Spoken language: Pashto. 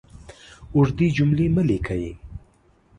اوږدې جملې مه لیکئ!